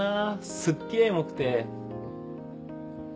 すっげぇエモくて。